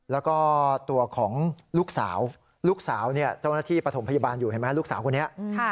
แล้วก็ตัวของลูกสาวลูกสาวเนี่ยเจ้าหน้าที่ปฐมพยาบาลอยู่เห็นไหมลูกสาวคนนี้